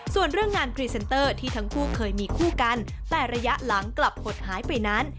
ส่วนเรื่องงานพรีเซนเตอร์ที่ทั้งคู่เคยมีคู่กันแต่ระยะหลังกลับหดหายไปนั้น